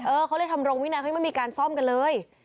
เขาเลยทำรงวินัยเขายังไม่มีการซ่อมกันเลย